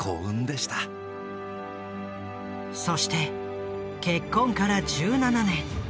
そして結婚から１７年。